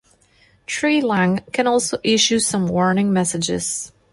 Treelang can also issue some warning messages.